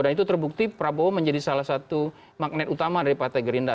dan itu terbukti prabowo menjadi salah satu magnet utama dari partai gerindra